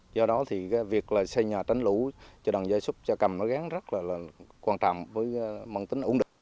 do đó thì việc xây nhà tránh lũ cho đoàn gia súc xa cầm nó gán rất là quan trọng với măng tính ủng định